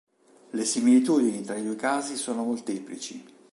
Le similitudini tra i due casi sono molteplici.